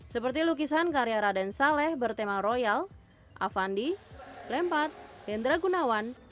seperti lukisan karya raden saleh bertema royal avandi lempat hendra gunawan